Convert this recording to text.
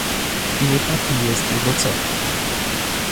Nie taki jest jego cel